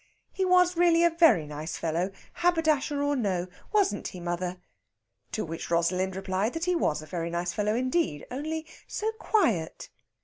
He was really a very nice fellow, haberdasher or no, wasn't he, mother? To which Rosalind replied that he was a very nice fellow indeed, only so quiet.